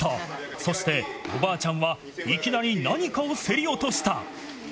そして、おばあちゃんはいきなり、何かを競り落とした。